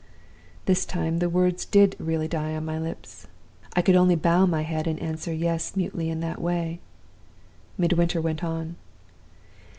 "This time the words did really die on my lips. I could only bow my head, and answer 'Yes' mutely in that way. Midwinter went on.